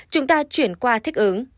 chúng ta chuyển qua thích hợp